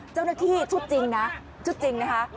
เจ้าหน้าที่ชุดจริงนะชุดจริงนะคะ